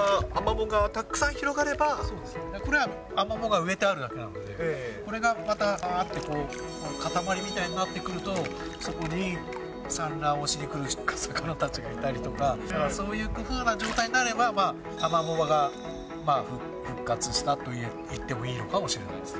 もっとこれが、これはアマモが植えてあるだけなので、これがまた、ばーってこう、固まりみたいになってくると、そこに産卵をしに来る魚たちがいたりとか、そういうふうな状態になれば、アマモ場が復活したと言ってもいいのかもしれないですね。